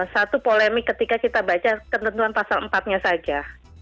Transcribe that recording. satu polemik ketika kita baca ketentuan pasal empat nya saja